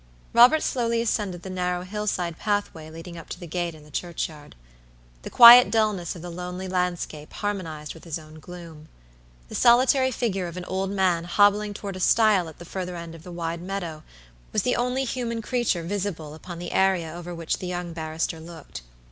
Robert slowly ascended the narrow hillside pathway leading up to the gate in the churchyard. The quiet dullness of the lonely landscape harmonized with his own gloom. The solitary figure of an old man hobbling toward a stile at the further end of the wide meadow was the only human creature visible upon the area over which the young barrister looked.